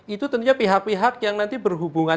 itu tentunya pihak pihak yang nanti berhubungan